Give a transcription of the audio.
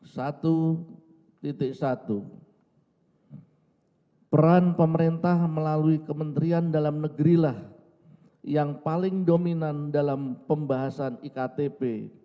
satu peran pemerintah melalui kementerian dalam negerilah yang paling dominan dalam pembahasan iktp